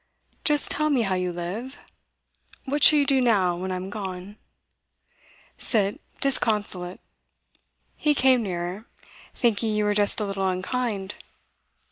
'Just tell me how you live. What shall you do now, when I'm gone?' 'Sit disconsolate,' he came nearer 'thinking you were just a little unkind.